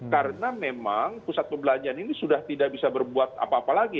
karena memang pusat perbelanjaan ini sudah tidak bisa berbuat apa apa lagi